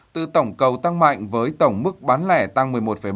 từ tổng cầu tăng mạnh với tổng mức bán lẻ tăng một mươi một bảy